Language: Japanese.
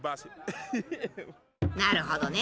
なるほどね。